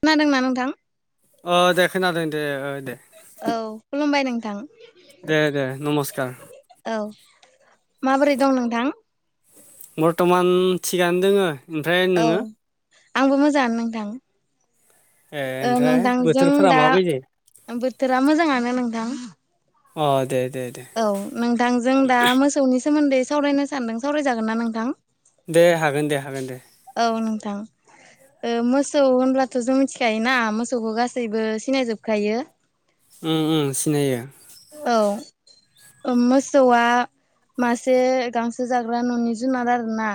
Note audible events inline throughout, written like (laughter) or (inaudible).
खोनादोंना नोंथां अ दे खोनादों दे दे औ खुलुमबाय नोंथां दे दे नमस्कार औ माबोरै दं नोंथां बर्थ'मान थिगानो दोङो ओमफ्राय औ नोङो आंबो मोजाङानो नोंथां ए ओमफ्राय नोंथांजों बोथोरफोरा दा माबायदि बोथोरा मोजाङानो नोंथां अ दे दे दे औ नोंथां जों दा मोसौनि सोमोन्दै सावरायनो सान्दों सावरायजागोन ना नोंथां दे हागोन दे हागोन दे औ नोंथां ओ मोसौ होनब्लाथ' जों मिथिखायोना मोसौखौ गासैबो सिनायजोबखायो उम उम सिनायो औ मोसौआ मासे गांसो जाग्रा न'नि जुनाद आरो ना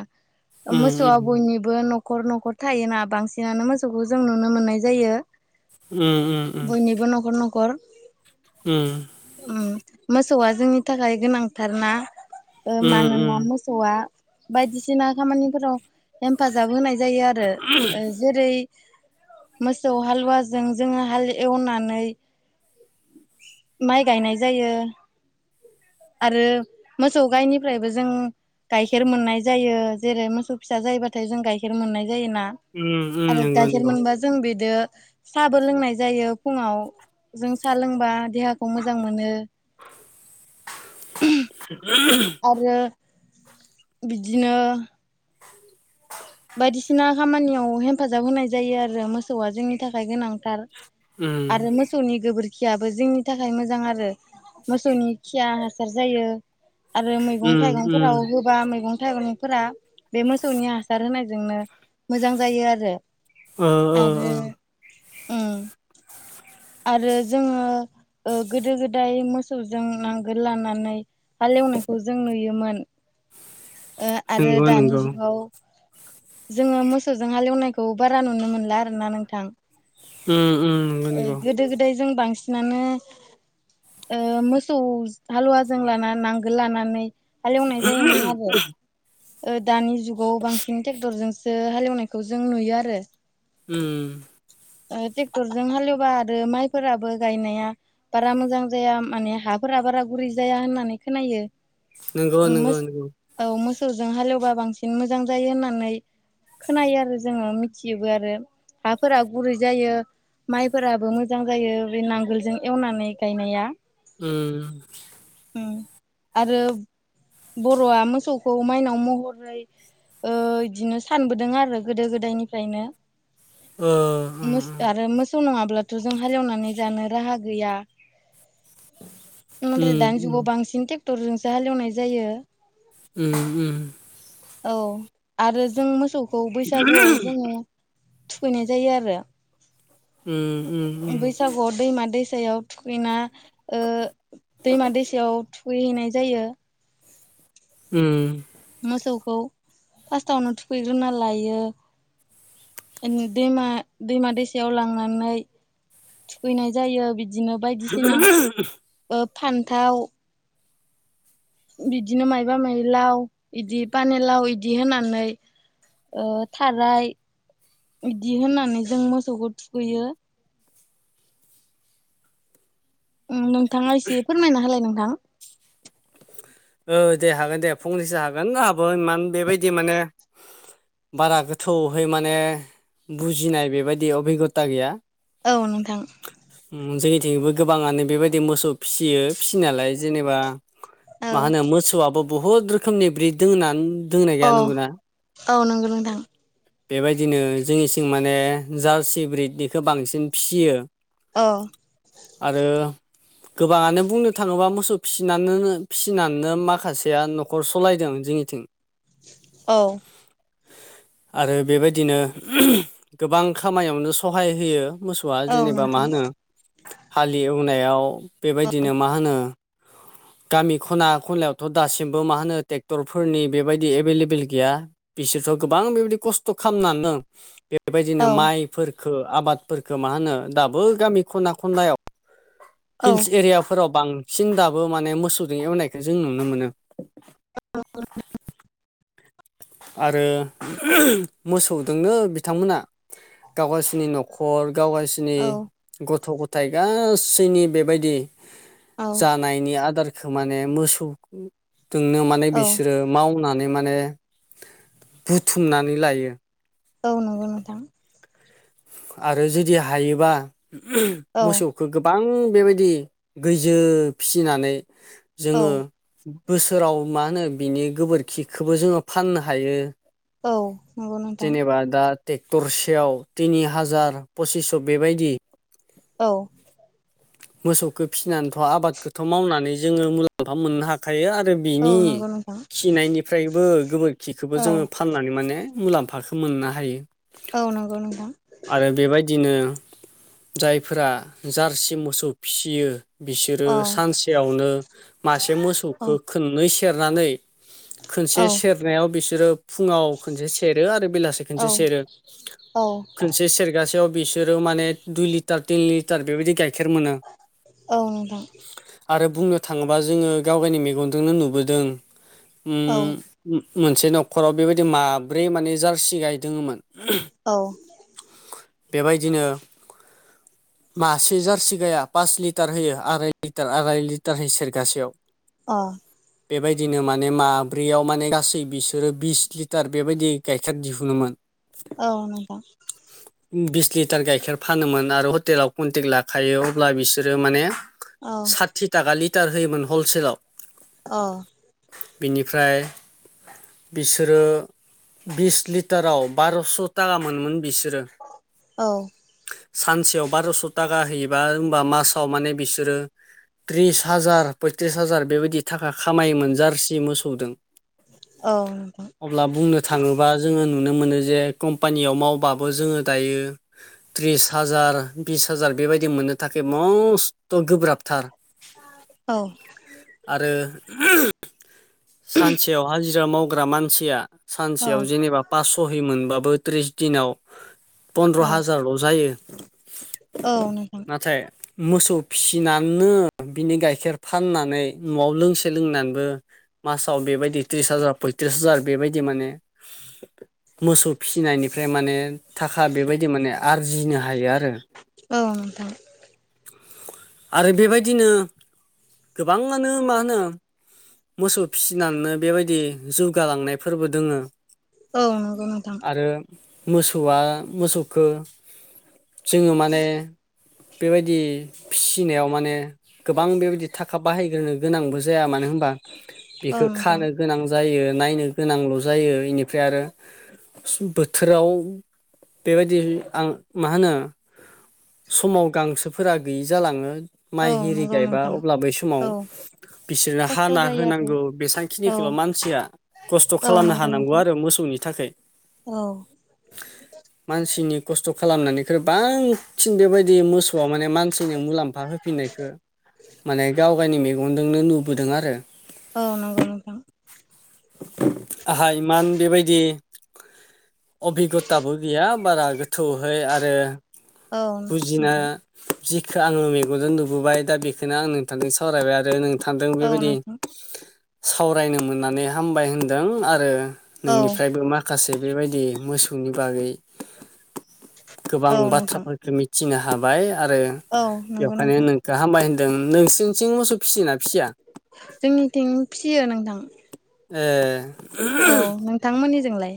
उम मोसौआ उम बयनिबो न'खर न'खर थायोना बांसिनानो मोसौखौ जों नुनो मोननाय जायो। उम उम उम बयनिबो नखर नखर उम उम मोसौआ जोंनि थाखाय गोनांथारना ओ उम उम मानोना मो सौआ बायदिसिना खामानिफोराव हेफाजाब होनाय जायो आरो ओ जेरै मोसौ हालुवाजों जोङो हाल एवनानै माइ गायनाय जायो। आरो मोसौ गायनिफ्रायबो जों गाइखेर मोननाय जायो जेरै मोसौ फिसा जायोबा नाथाय जों गाइखेर मोननाय जायोना उम उम आरो नंगौ गाइखेर नंगौ मोनबा जों बिदो साहाबो लोंनाय जायो फुङाव जों साहा लोंबा देहाखौ मोजां मोनो। (inaudible) आरो बिदिनो बायदिसिना खामानियाव हेफाजाब होनाय जायो आरो मोसौआ जोंनि थाखाय गोनां थार उम आरो मो मोसौनि गोबोरखियाबो जोंनि थाखाय मोजां आरो मोसौनि खिया हासार जायो। आरो मैगं उम थाइगंफोराव उम होबा मैगं थाइगंफोरा बे मोसौनि हा सार होनायजोंनो मोजां जायो आरो ओ ओ ओ आरो उम आरो जोङो ओ गोदो गोदाय मोसौजों नांगोल लानानै हालेवनायखौ जों नुयोमोन ओ आरो नंगौ दानि नंगौ जुगाव जोङो मोसौजों हालेवनायखौ बारा नुनो मोनला आरोना नोंथां उम उम ओ नंगौ नंगौ गोदो गोदाय जों बांसिनानो ओ मोसौ हालुवाजों लाना नांगोल लानानै हालेवनाय जायोमोन आरो ओ दानि जुगाव बांसिन ट्रेक्टरजोंसो हालेवनायखौ जों नुयो आरो उम ओ ट्रेक्टरजों हालेवबा आरो माइफोराबो गायनाया बारा मोजां जाया माने हाफोरा बारा गुरै जाया होननानै खोनायो। नंगौ नंगौ मोस नंगौ औ मोसौजों हालेवबा बांसिन मोजां जायो होननानै खोनायो आरो जोङो मिथियोबो आरो हाफोरा गुरै जायो माइफोराबो मोजां जायो बे नांगोलजों एवनानै गायनाया उम आरो बर'आ मोसौखौ माइनाव महरै ओ इदिनो सानबोदों आरो गोदो गोदायनिफ्रायनो ओ मोसौ उम आरो मोसौ नङाब्लाथ' जों हालेवनानै जानो राहा गैया नाथाय दानि उम जुगाव बांसिन ट्रेक्टरजोंसो हालेवनाय जायो उम उम औ आरो जों मोसौखौ उम उम बैसागुआव जोङो थुखैनाय जायो आरो उम उम उम गुवाव दैमा दैसायाव थुखैना ओ दैमा दैसायाव थुखैहैनाय जायो उम मोसौखौ फार्स्टावनो थुखैग्रोना लायो दैमा दैमा दैसायाव लांनानै थुखैनाय जायो बि दिनो बायदिसिना ओ फान्थाव बिदिनो मायबा माइलाव बिदि पानिलााव इदि होनानै ओ थाराय बिदि होननानै जों मोसौखौ थुखैयो नोंथाङा एसे फोरमायना होलाय नोंथां औ दे हागोन दे फंनैसो हागोन आंहाबो इमान बेबायदि माने बारा गोथौहै माने बुजिनाय बेबायदि अबिगथा गैया औ नोंथां जोंनिथिंबो गोबाङानो बेबायदि मोसौ फिसियो फिसिनायालाय जेनेबा औ मा होनो मोसौआबो बुहुद रोखोमनि ब्रिड दोङोना दोंना अ गैया नंगौना औ नंगौ नोंथां बेबायदिनो जोंनिथिं माने जार्सि ब्रिदनिखौ बांसिन फियो औ आरो गोबाङानो बुंनो थाङोब्ला मोसौ फिनानोनो फिसिनानैनो माखासेया न'खर सालायदों जोंनिथिं औ आरो बेबायदिनो गोबां खामायावनो सहाय होयो मोसौआ औ जेनेबा मा नोंथां होनो हालि एवनायाव बेबायदिनो मा होनो गामि खना खनलायावथ' दासिमबो मा होनो ट्रेक्टरफोरनि बेबायदि एभेलेबोेल गैया बिसोरथ' गोबां बेबायदि खस्थ' खालामनानै दं बेबायदिनो औ माइ फोरखो आबादफोरफोरखौ मा होनो दाबो गामि खना खनलायाव औ हिल्स एरियाफोराव बांसिन दाबो माने मोसौजों एवनायखौ जों नुनो मोनो (unintelligible) आरो मोसौदोंनो बिथांमोना गाव गावसिनि न'खर गावगायस दिनै औ गथ' गथाय गासैनि बेबायदि औ जानायनि आदार खौ माने मोसौजोंनो माने औ बिसोरो मावनानै माने बुथुमनानै लायो औ नंगौ नोंथां आरो जुदि हायोबा औ मोसौ खो गोबां बेबायदि गैजो फिसिनानै औ जोङो बोसोराव मा होनो बिनि गोबोरखिखौबो जोङो फाननो हायो औ नंगौ नोंथां जेनेबा दा ट्रेक्टरसेयाव टिनि हाजार पसिस्स' बेबायदि औ मोसौखौ फिसिनानैथ' आबादखौथ' मावनानै जोङो मुलाम्फा मोननो हाखायो आरो औ बिनि नंगौ नोंथां खिनायनिफ्रायबो गोबोरखिखौबो औ जोङो फाननानै माने मुलाम्फाखो मोननो हायो औ नंगौ नोंथां आरो बेबायदिनो जायफोरा जारसि मोसौ फिसियो बिसोरो अ सानसेयावनो मासे अ मोसौखौ खननै सेरनानै खनसे औ सेरनायाव बिसोरो फुङाव खनसे सेरो आरो बेलासे औ खनसे सेरो औ खनसे सेरगासेयाव बिसोरो माने दुइ लिटार तिन लिटार बेबायदि गाइखेर मोनो औ नोंथां आरो बुंनो थांङोबा जोंङो गावावनि मेगनजोंनो नुबोदों औ मोनसे न'खराव बेबायदि माब्रै माने जार्सि गायदों मोन औ बेबायदिनो (inaudible) मासे जारसिगाया पास लिटार होयो आराय लिटार आराय लिटार हो सेरगासेयाव अ बेबायदिनो माने माब्रैयाव माने गासै बिसोरो बिस लिटार बेबायदि गाइखेर दिहुनोमोन औ नोंथां बिस लिटार गाइखेर फानोमोन आरो हटेलाव कन्टेक्ट लाखायो अब्ला बिसोरो माने औ थि थाखा लिटार होयोमोन हलसेलाव अ बेनिफ्राय बिसोरो बिस लिटाराव बार'स' थाखा मोनोन बिसोरो औ सानसेयाव बार'स' थाखा होयोबा होमबा मासाव माने बिसोरो त्रिस हाजार पयथ्रिस हाजार बेबायदि थाखा खामायोम जारसि मोसौजों औ नंगौ अब्ला बुंनो थाङोबा जोङो नुनो मोनो जे कम्पानियाव मावबाबो जोङो दायो त्रिस हाजार बिस हाजार बेबायदि मोननो थाखाय मस्थ' गोब्राबथार औ आरो सानसेयाव हाजिरा मावग्रा मानसिया औ सानसेयाव जेनेबा पासस'है मोनबाबो थ्रिस दिनाव पन्द्र' औ हाजारल' जायो औ नंगौ नाथाय मोसौ फिसिनानैनो बिनि गाइखेर फाननानै न'आव लोंसे लोंनानैबो मासाव बेबायदि त्रिस हाजार पयथ्रिस हाजार बेबायदि माने मोसौ फिनायनिफ्राय माने थाखा बेबायदि माने आर्जिनो हायो आरो औ नोंथां आरो बेबायदिनो गोबाङानो मा होनो मोसौ फिसिनानैनो बेबायदि जौगालांनाय फोरबो दोङो औ नगौ नोंथां आरो मोसौआ मोसौखौ जोङो माने बेबायदि फिनायाव माने गोबां बेबायदि थाखा बाहायग्रोनो गोनांबो जाया मानो होनबा औ बेखौ नोंथां खानो गोनां जायो नायनो गोनांल' जायो इनिफ्राय आरो बोथोराव बेबायदि आं मा होनो समाव गांसोफोरा गैयि जालाङो औ माइ एरि नंगौ गायबा नोंथां अब्ला बै समाव औ बिसोरनो खस्थ' हाना जायो आरो होनांगौ औ बेसबांखिनिखौल' मानसिया खस्थ' औ खालामनो नंगौ हानांगौ नोंथां आरो मोसौनि थाखाय औ (inaudible) मानसिनि खस्थ' खालामनानैख्रुइ बांसिन बेबायदि मोसौआ माने मानसिनो मुलाम्फा हो फिनायखौ माने गाव गावनि मेगनजोंनो नुबोदों आरो औ नंगौ नोंथां आहा इमान बेबायदि अबिगथाबो गैया बारा गोथौहै आरो औ बुजिनो नोंथां जिखौ आङो मेगनजों नुबोबाय दा बेखौनो आं नोंथांजों सावरायबाय आरो नो नोंथांदों औ बेबायदि नोंथां सावरायनो मोननानै हामबाय होनदों आरो औ नोंनिफ्रायबो माखासे बेबायदि मोसौनि बागै गोबां औ नोंथां बाथ्राफोरखौ मिथिनो हाबाय आरो औ नंगौ बेखायनो नोंथां नों हामबाय होनदों नोंसोरनिथिं मोसौ फिसियोना फिसिया जोंनिथिं फिसियो नोंथां ए औ नोंथां मोननिजोंलाय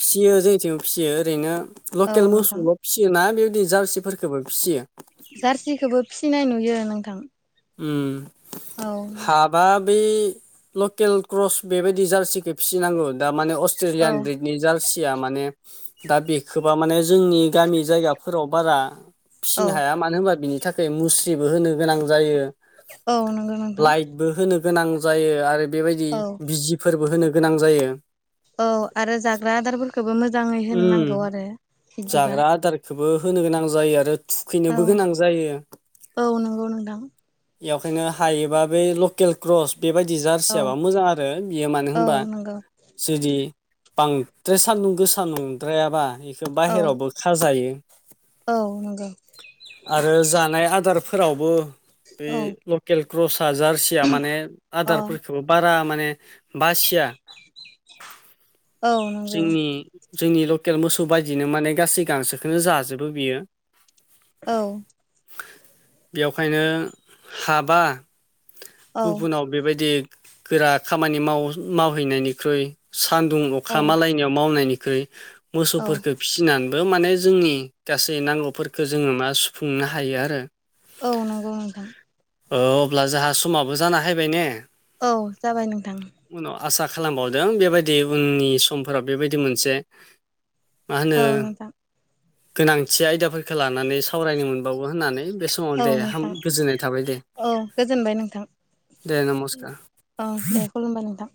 फिसियो जोंनिथिंबो फिसियो ओरैनो औ लकेल नोंथां मोसौल' फिसियोना बेबायदि जारसिफोरखौबो फिसियो जारसिखौबो फिसिनाय नुयो नोंथां उम औ हाबा बै लकेल क्रस बेबायदि जार्सिखौ फिसिनांगौ दा माने औ अस्ट्रेलियान बदनि जारसिया माने दा बे इखोबा माने जोंनि गामि जायगाफोराव बारा औ फिसिनो हाया मानो होनबा बिनि थाखाय मुस्रिबो होनो गोनां जायो औ नंगौ नोंथां लाइट बो होनो गोनां जायो आरो बेबायदि औ बिजिफोरबो होनो गोनां जायो औ आरो जाग्रा आदारफोरखौबो मोजाङै होनोनांगौ आरो बिदिबा खौबो होनो गोनां जायो आरो औ थुखैनोबो गोनां जायो औ नंगौ नोंथां बेखायनो हायोबा बै लकेल क्रस बेबायदि औ जारसियाबा मोजां आरो बियो मानो औ होनबा नंगौ जुदि बांद्राय सान्दुं गोसा नंद्रायाबा बेखौ औ बाहेरावबो खाजायो औ नंगौ आरो जानाय आदारफोरावबो बे औ लकेल क्रसा जारसि माने अ आदारफोरखौ बारा माने बासिया औ नंगौ जोंनि जोंनि लकेल मोसौ बायदिनो माने गासै गांसोखौनो जाजोबो बियो औ बेखायनो हाबा औ गुबुनाव बेबायदि गोरा खामानि माव मावहैनायनिख्रुइ सानदुं औ अखा मालायनियाव मावनायनिख्रुइ औ मोसौफोरखौ फिसिनानैबो माने जोंनि गासै नांगौफोरखो जोङो मा सुफुंनो हायो आरो औ नंगौ नोंथां औ अब्ला जोंहा समाबो जाना फायबाय ने औ जाबाय नोंथां उनाव आसा खालामबावदों बेबायदि उननि समफोराव बेबायदि मोनसे मा होनो औ नोंथां गोनांथि आयदाफोरखौ लानानै सावरायनो मोन बावो होननानै बे समाव औ दे हाम नोंथां गोजोननाय थाबाय दे औ गोजोनबाय नोंथां दे नमस्कार औ दे खुलुमबाय नोंथां